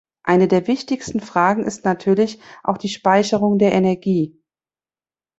Eine der wichtigsten Fragen ist natürlich auch die Speicherung der Energie.